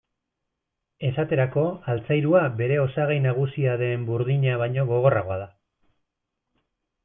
Esaterako, altzairua bere osagai nagusia den burdina baino gogorragoa da.